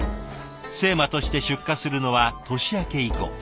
精麻として出荷するのは年明け以降。